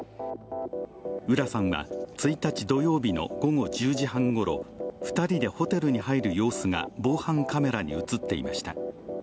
浦さんは１日土曜日の午後１０時半ごろ２人でホテルに入る様子が防犯カメラに映っていました。